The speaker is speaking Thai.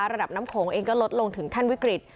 ระดับน้ำโขงเองก็ลดลงถึงขั้นวิกฤต